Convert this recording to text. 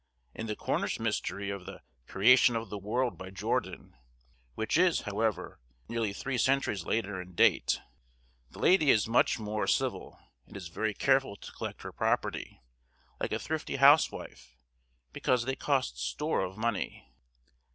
In the Cornish Mystery of the 'Creation of the World,' by Jordan, which is, however, nearly three centuries later in date, the lady is much more civil, and is very careful to collect her property, like a thrifty housewife, because "they cost store of money."